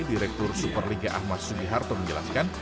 direktur superliga ahmad subiharto menjelaskan